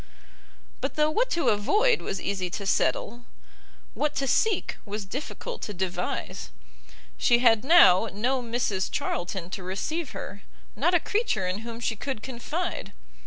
But though what to avoid was easy to settle, what to seek was difficult to devise. She bad now no Mrs Charlton to receive her, not a creature in whom she could confide.